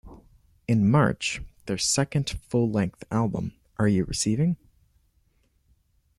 In March, their second full-length album, Are You Receiving?